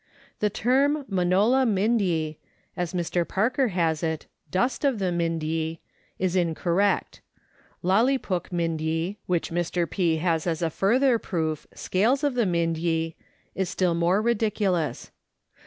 The term " Monola Mindye," as Mr. Parker has it " dust of the Mindye " is incorrect. " Lillipook Mindye," which Mr. P. has as a further proof " scales of the Mindye " is still more ridiculous.